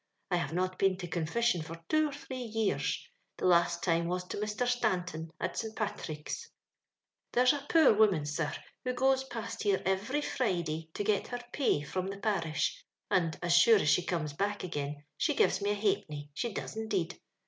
I have not been to con fission for two or three years — the last time was to Mr. Stanton, at St Pathrick's, " There's a poor woman, sir, who goes past here every Friday to get her pay from the parish, and, as sure as she comes back again, she gives me a ha'penny — she does, indeed.